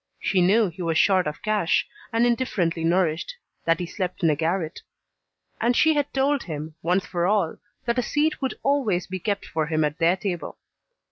She knew he was short of cash, and indifferently nourished, that he slept in a garret; and she had told him, once for all, that a seat would always be kept for him at their table.